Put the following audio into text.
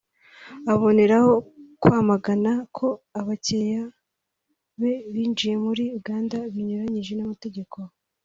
aboneraho kwamagana ko abakiriya be binjiye muri Uganda binyuranyije n’amategeko